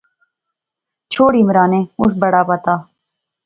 چھوڑ عمرانے، اس بڑا پتہ